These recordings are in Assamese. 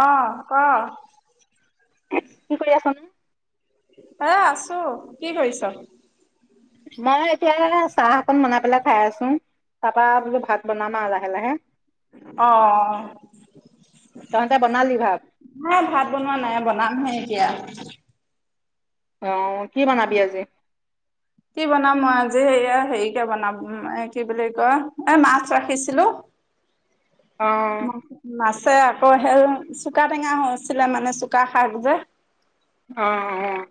অ ক কি কৰি আছ এ আছো কি কৰিছ মই এতিয়া চাহ অকন বনাই পেলাই খাই আছো তাৰ পৰা বুলো ভাত বনাম আৰু লাহে লাহে অ তহঁতে বনালি ভাত? ন ভাত বনোৱা নাই বনামহে এতিয়া আহ কি বনাবি আজি কি বনাম মই আজি এইয়া হেৰিকে বনাম এ কি বুলি কয় এ মাছ ৰাখিছিলো। অ' মাছ। আকৌ সেল চুকা টেঙা হৈছিলে মানে চুকা শাক যে। অঁ অঁ।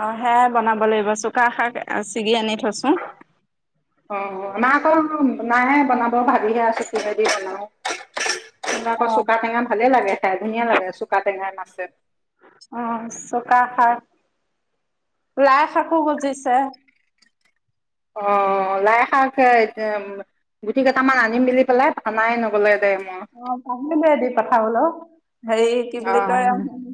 অঁ সেয়া বনাব লাগিব চুকা শাক চিগি আনি। থৈছো অঁ মা। নাইে বনাব ভাবিহে আছ কিহে দি বনাও। তুমাৰ আকৌ অ চুকা টেঙা ভালে লাগে। খাই ধুনীয়া লাগে চুকা টেঙা মাছে। অঁ চুকা শাক লাই শাকো গুজিছে। অঁ, লাই শাক গুটি কেইটামান আনিম বুলি পেলাই নাই নগ'লে দে। মোৰ। অঁ পাহৰিলো দি পঠাবলও। হেৰি কি বুলি কয় অ' আৰু।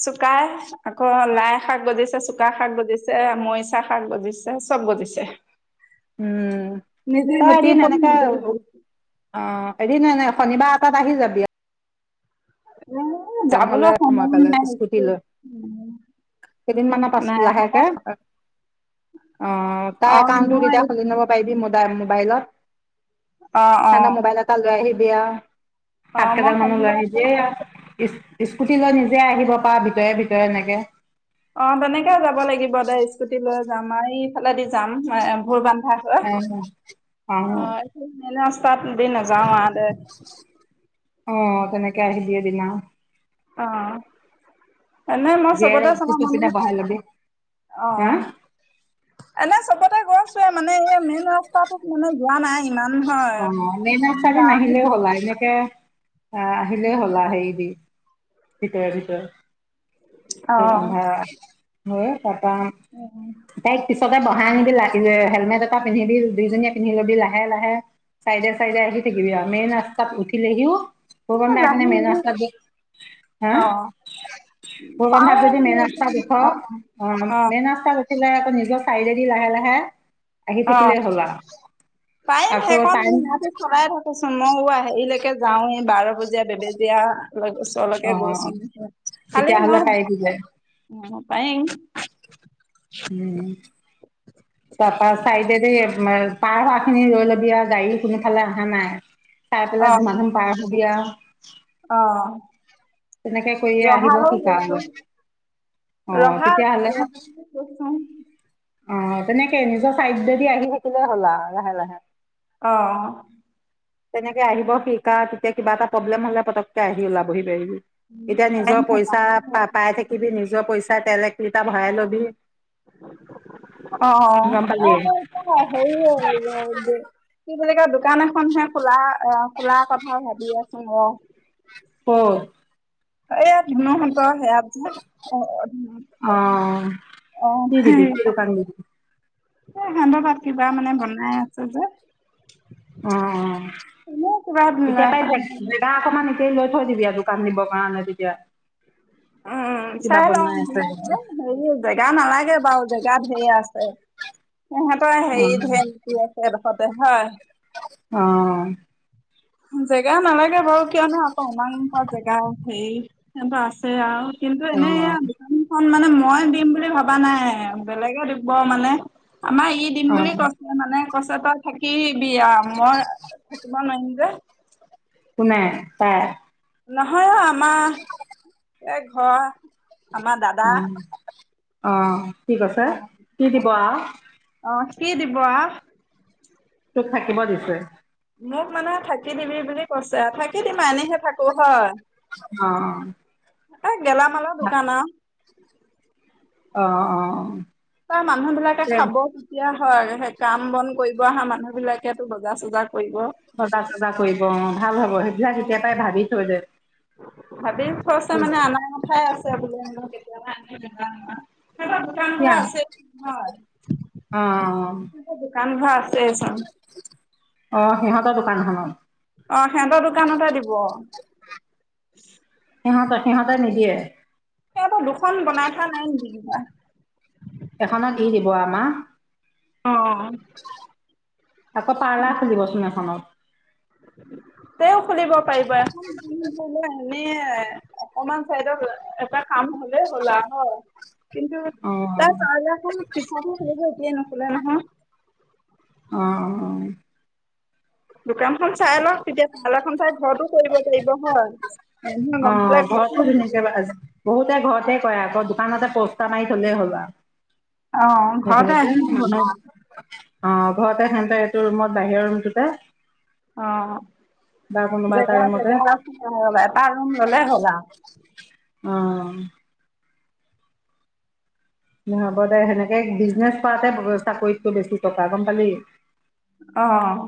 চোকাই আকৌ লাই শাক গজিছে চুকা শাক গজিছে মৰিচা শাক গজিছে চব গজিছে। উম নিজে তই গুটি এদিন পৰি এনেকে নিজে অ এদিন। শনিবাৰ এটাত আহি যাবি। এ তেহলে যাবলৈ সময় পালে নাই স্কুট স্কুল লৈ কেইদিনৰ পাছত নাই হ'ব লাহেকে অ তাৰ অ একাউটটো মই তেতিয়া খুলি লব পাৰিবি ম। মোবাইলত। অ অ সেইকাৰণে মবাইল এটা লৈ আহিবি। দিয়া। অ শাক মই কেইদাল মানো লৈ শনিবাৰটো আহিবি। স্কুটি লৈ নিজে আহিব পাৰ ভিতৰে ভিতৰে এনেকে। অঁ, তেনেকে যাব লাগিব দে স্কুটি লৈ যাম। এইফালেদি যাম ভোৰ বান্ধন। ভাত অ অ এইতো মেলা। তাত দি নজাও আও দে। অঁ, তেনেকে আহিবি এদিন আও। অঁ। এনে মই জীয়াই চবতে চাওঁ ৰাখিছ মানে পিনে বহাই ল'বি অঁ অ হা এনে চবতে গৈছোৱেই মানে এই। মেইন ৰাস্তাত মানে যোৱা নাই। ইমান হয়। অ মেইন এনে চালী গাঁৱলে নাহিলে যাম হ'লা এনেকে [unintelligible] আহ আহিলেই হ'লা হেৰি দি। ভিতয়ে ভিতয়ে। অ [unintelligible] হয় তাৰপা তাইক পিছত। ত বহাই আনিব লাগ হেলমেট এটা পিন্ধিব দুইজনীয়ে পিন্ধি লবি লাহে লাহে চাইডে চাইডে আহি থাকিবি আৰু মেইন ৰাস্তাত উঠিলেহিও, পোৰব দাই লাহে এই মেন লাহে ৰান্ [unintelligible] তাই নাই মেহন আ দে হো অ পাওঁ সোগন্ধাক যদি মানে মেইনচতা দুখ অ অ মেনচতা লাহে লাহে আকৌ নিজৰ চাইদে লাহে লাহে। আহি অ থাকিলেই হ'ল আৰু পাৰিম আকৌ সেইকণ টাইম ম মতি চলাইে থাকোচোন মইও হেৰিলৈকে যাওঁ এই বাৰ বজীয়া বেবেজীয়া অ ওচৰলৈকে গৈছো খালি তেতিয়াহ'লে ন অ পাৰিম। উম তাপা চাইদে দি পাৰ পাৰ খিনি ৰৈ ল'বি আৰু গাড়ী কোনো ফালে অহা নাই। চাই অ পেলাই ধুমা ধুম পাৰ হব দিয়া। [inaudible] অ কৰিয়ে আহিব ৰহালৈ শিকা আৰু গৈছো অ ৰহা তেতিয়াহ'লে ৰহৈ গৈছো। অ তেনেকে নিজৰ চাইড যদি আহি থাকিলে হ'ল লাহে লাহে, অ তেনেকে আহিব শিকা তেতিয়া কিবা এটা প্ৰব্লেম হ'লে পতককে আহি ওলাব পাৰিবিহি এতিয়া নিজৰ পইচা প পাই থাকিবি নিজৰ যোৱা পইচা তেল এক লিটাৰ ভৰাই ল'বি। অ গম পালি আকৌ হেৰি আৰু দোকান এখনহে খোলা অ খোলা কথা ভাবি আছোন অ অ এয় ধুনুহতৰ সেয়া অ অ অ কি দিবি সেই কি দোকান দিবি এ সান্দহ পাত কিবা মানে বনাই আছে যে অ এনে কিবা ধুনু- এতিয়া পাই অকমান লৈ থৈ দিবি দ দোকান দিবি কাৰণে যেতিয়া, উম চাই লওঁ মনে হেৰি জেগা নালাগে বাৰু জেগাত ধেই আছে সিহঁতৰ অ হেৰিত ধেই আছে এডোখৰতে হয়। অ জেগা নালাগে বাৰু কিয়ো আকৌ ইমান খন জেগা সেই আছে আৰু কিন্তু অ এনেই এনেই দোকানখন খন মানে মই দিম বুলি ভবা নাই। বেলেগে দিব মানে। আমাৰ ই দিম অ বুলি কৈছিলে মানে পাছত বা থাকিবি আ। মই থাকিব নোৱাৰিম যে। কোনে? তাই? নহয় অ' আমাৰ, এই ঘৰৰ আমাৰ দাদা। অ অ'। কি কৈছে? অ কি দিব আও? কি দিব আও? তোক থাকিব দিছে। মোক মানে থাকি দিবি বুলি কৈছে। থাকি দিম এনেহে থাকোঁ হয়। অ'। [unintelligible] গেলামালৰ অ দোকান আৰু। অ'-অ'-অ'। তাৰ মানুহবিলাকে খাব, তেতিয়া হয়। সেই কাম-বন কৰিব অহা মানুহবিলাকেতো বজাৰ-চজাৰ বজাৰ - চজাৰ কৰিব অ'। ভাল হব। সেইবিলাক এতিয়াৰ পৰাই ভাবি থৈ দে। অঁ ভাবি থৈছে মানে আনাৰ কথাই আছ [inaudible] কেতিয়াবা আনে [inaudible] সেইখন দোকানতে কিয়া আছে। হয়। অ সেইখন দোকান এখন আছে। চাম। অ' সিহঁতৰ দোকানখনত। অ' সিহঁতৰ দোকানতে দিব। উ সিহঁত- সিহঁতে নিদিয়ে। সেয়াৰ পৰা দুখন বনাই থোৱা নাই নেকি? নাই। এখনত ই দিব আমাক অ'। আকৌ পাৰ্লাৰ খুলিবচোন এখনত। তেওঁ খুলিব পাৰিব এখন [inaudible] এনে অকমান চাইডত এটা কাম হ'লে হ'ল আৰু ন'। কিন্তু অ তাৰ পাৰ্লাৰখন পিছে [inaudible] এতিয়াই নুখুলে নহয়। অ' - অ' - অ'। দোকানখন চাই লওঁক। তেতিয়া [unintelligible] ঘৰতো কৰিব পাৰিব, হয়! মানুহে গম পালে অঁ ঘৰতো আহিব। ধুনীয়াকৈ [unintelligible] বহুতে ঘৰতে কৰে আকৌ দোকানতে পস্তাৰ মাৰি থলেই হ'ল আৰ অহ ঘৰতে [unintelligible] অঁ ঘৰতে সেন্তৰ এইটো ৰুমত বাহিৰৰ ৰুমটোতে অঁ বা কোনোবা এটা জেগা ৰুমতে জেগা অ ৰবা এটা ৰুম ললে হ'ল আৰু। অ! দে হ'ব দে সেনেকে বিজনেছ কৰাতে চাকৰিততটো বেছি টকা গম পালি? অ অ অ।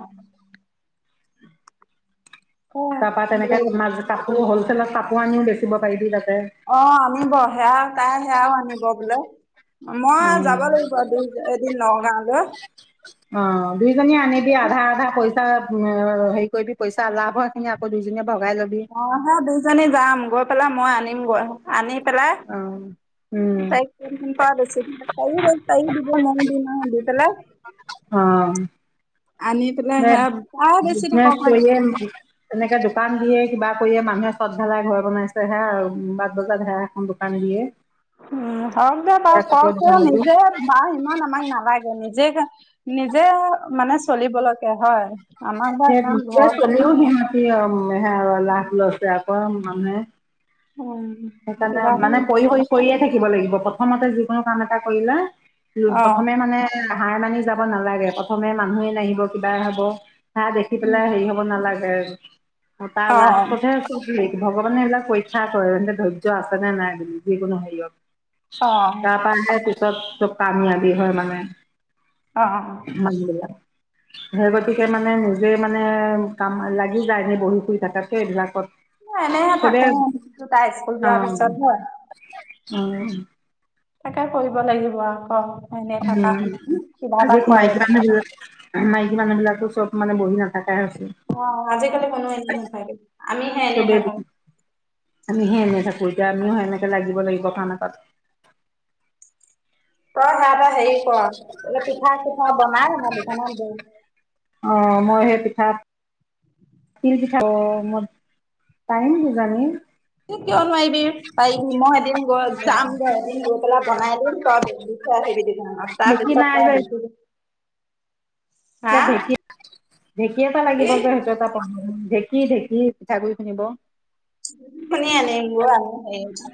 তাৰপা তেনেকে তোমাৰ কাপোৰো হ'ল ল কাপোৰ আনিও বেচিব পাৰিবি তাত অ আনিব সেয়াও, তাই সেয়াও আনিব বোলে। মই উম! যাব লাগিব দুই এদিন নগাঁওলৈ। অহ দুইজনীয়ে আনিবি আধা আধা পইচা উম হেৰি কৰিবি পইচা লাভ হোৱাখিনি আকৌ দুজনীয়ে অ সেই দুইজনী যাম গৈ পেলাই মই আনিম গৈ। আনি পেলাই অ উম [unintelligible] তাইও দিব মইয়ো দিম আৰু দি পেলাই অ! আনি পেলাই সেয়া প্ৰায় বেছি থাকক বিজনেচ লাগে। কৰিয়ে তেনেকে দোকান দিয়ে কিবা কৰিয়ে মানুহে চদ ধালাই ঘৰ বনাইছে হে আৰু বাট বজাত হে এখন দোকান দিয়ে। উম! হওক দে পাওক কৰক নিজে বা ইমান আমাক নালাগে নিজে যে নিজে মানে চলিবলৈকে, হয়! আমাক বা ইমান নিজে ঘৰ চলিও সিহতি অ সেয়া লাভ লৈছে কি কম! মানে উম সেইকাৰণে কিবা মানে এটা পৰি সৰি কৰিয়ে থাকিব লাগিব, প্ৰথমতে যিকোনো কাম এটা কৰিলে অ প্ৰথমে মানে হাৰ মানি যাব নালাগে প্ৰথমে মানুহে নাহিব কিবা হব সেয়া দেখি পেলাই হেৰি হ'ব নালাগে অ তাৰ লাষ্টট হে ভগৱানে এইলাক পৰীক্ষা কৰে ধৈৰ্য আছে নে নাই বুলি যিকোনো অ হেৰিয়ত তাৰ্পা হে দি চত ত কামলাগি হয় মানে অ অ', মান্দেলা সেই গতিকে মানে নিজে মানে কাম লাগি যায় সেই বহি শুই থকাতকে এইবিলাকত এনেহে চবে থাকো তাই পূজা পিছত হে অ তাকে কৰিব লাগিব আকৌ এনেই উ থকা কিবা আজি এটা খুৱাই মাইকী মানুহ বিলাক মাইকী মানুহ বিলাক আৰু চব মান বহি নাথা কা হৈছে অ আজিকালি কোনো এনেই নাথাকে আমিহে এনেই চবেই থাকো আমি সে এনেই থাকো এতিয়া আমিও সনেকে লাগিব কথা নাপাতে তই সেয়া পা‌ হেৰি কৰ পিঠা চিঠা বনাই আমাৰ দোকানত দেগে অ মই সেই পিঠাত তিল পিঠা মই পাৰিম কিজানি এ কিয় নোৱাৰিবি পাৰি মই এদিন গৈ যাম গে এদিন গৈ পেলাই বনাই দিম তই বেছিথৈ আহিবি তাৰ ঢেঁকী নাই পিছত যে মই দিখো ঢেঁকী ঢেঁকী এটা লাগিব কি যে সেইটো এটা প্ৰব্লেম ঢ়েকী ঢেঁকী পিঠাগুড়ি খুন্দিব কিনি আনিম ক আমি সেইটো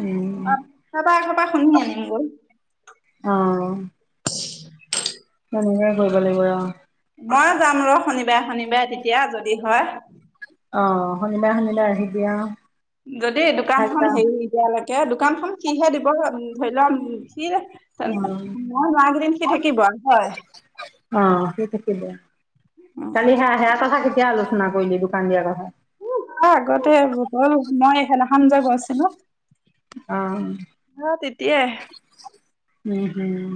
উম, অ তপা ঘৰ পৰা খুন্দি আনিম গৈ অ [inaudible] তেনেকে কৰিব লাগিব অ মই যাম ৰ শনিবাৰে শনিবাৰে তেতিয়া যদি হয় অ শনিবাৰ শনিবাৰে আহিবি অ যদি দোকানখনন হেৰি নিদিয়ালৈকে কে দোকানখন কিহে দিব ধৰি লোৱা সি অ থাকিব হয় অ সি থাকিব, কালি হা সেয়াতে থাকিব তাকে আলোচনা কৰিলি দোকান দিয়াৰ কথা উ আগতে হল মই সেইদিনাখন যে গৈছিলো অ তেতিয়া উম হম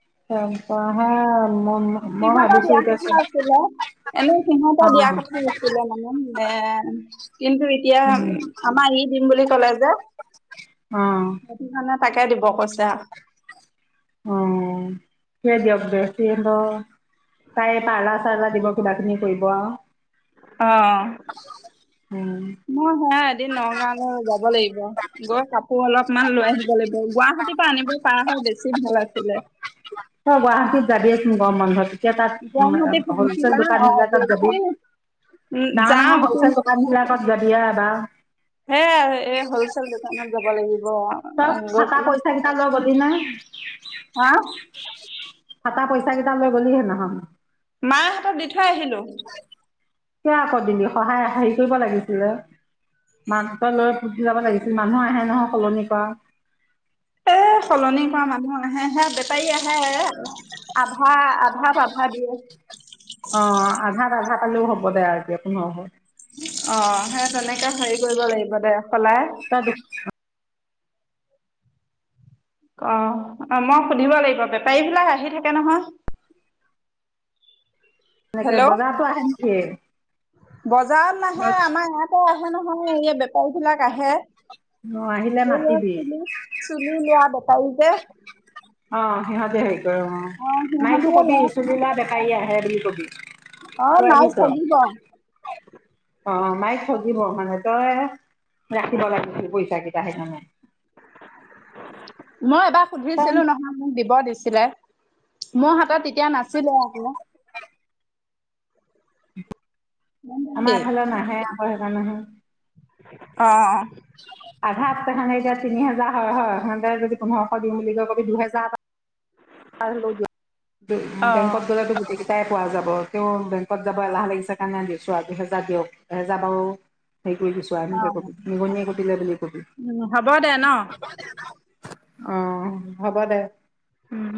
[unintelligible] মই সিহঁতৰ ভাবিছো দিয়া এতিয়া কথা চব আছিলে এনে সিহতৰ অ', দিয়া কথা আছিলে মানে মে কিন্তু এতিয়া উম, আমাৰ ই দিম বুলি কলে যে অ', সেতু কাৰণে তাকে দিব কৈছে। অ'। সিয়ে দিয়ক দিয়ক সিকি তাই পাৰ্লা চাৰ্লা দিব কিবা খিনি কৰিব আৰু অ উম। মই হেয়া এদিন নগাঁওলৈ যাব লাগিব গৈ কাপোৰ অলপ অলপমান লৈ আহিব লাগিব। গুৱাহাটীৰ পৰা আনিব পৰা হৈ বেছি ভাল আ চিলে অ গুৱাহাটীত যাবিয়ে চোন গৰম বন্ধত। এতিয়া গুৱাহাটী তাত ফেঞ্চি হলচেল পা দোকান অ বিলাকত যদি উম ডাঙৰ যাম ডাঙৰ হলচেল দোকান বিলাকত যদি আও বা হে এই হলচেল দোকানত যাব লাগিব। তই গৈ ফাটা পেলাই পইচা কেইটা লৈ গ'লি হা ফাতা পইচা কেইটা লৈ গলি সেইদিনাখন। মাই হাতত দি থৈ আহিলোঁ। সে আকৌ দিলি সহায় হেৰি কৰিব লাগিছিলে। মাকহতৰ লৈ গুচি যাব লাগিছিল। মানুহ আহে নহয় সলনি কৰা। এ সলনি কৰা মানুহ আহে হে বেপাৰী আহে আধা আধাত আধা দিয়ে। অ আধাত আধাত আলও হ'ব দে আজিটো নহয়। অ সেই তেনেকে হেৰি কৰিব লাগিব দে, সলাই ত অ অ মই সুধিব লাগিব। বেপাৰীবিলাক আহি থাকে নহয়। এনেকে হেল্ল' বজাৰটো আহে নেকি? বজাৰত নাহে, আমাৰ ইয়াতে আহে নহয়। এই বে এইবিলাক আহে। অ আহিলে এইয়া মাতিবি চুলি চুলি লোৱা বে চালিতে অ সিহতি হেই অ মাইকো সিহঁতিয়ে কবি লয় ছোলী লোৱো বে গাড়ী আহে বুলি কবি। অ তই নাই আহিছ? ঠগিব অ মাইক ঠগিব। মানে তই ৰাখিব লাগিছিল পইচা কেইটা সেইকাৰণে। মই এবাৰ তই সুধিছিলো নহয় ম দিব দিছিলে। মোৰ হাতত তেতিয়া নাছিলে আকৌ। [inaudible] আমাৰ এইফালে নাহে আ ভয় খাই নাহে অ আধাত তেখানে এতিয়া তিনি হেজাৰ হয় হয় সিহতে যদি পোন্ধৰশ দিম বুলি কয় কবি দুহেজাৰ এটা [unintelligible] অ বেংকত গলে তোৰ গোটেই চাই পোৱা যাব। তেওঁ বেংকত যাব এলাহ লাগিছে কাৰণে দিছো আৰু। এহেজাৰ দিয়ক এহেজাৰ বাৰু হেৰি কৰি গৈছো। অ আনিব কবি নিগনিয়ে কুটিলে বুলি কবি। হ'ব দে ন অ হ'ব দে। উম